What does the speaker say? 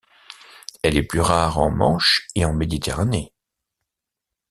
Elle est plus rare en Manche et en Méditerranée.